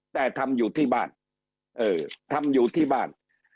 แต่ทำอยู่ที่บ้านเออทำอยู่ที่บ้าน